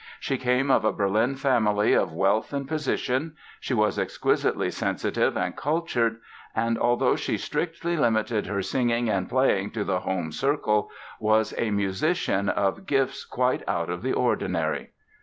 She came of a Berlin family of wealth and position, she was exquisitely sensitive and cultured and, although she strictly limited her singing and playing to the home circle, was a musician of gifts quite out of the ordinary.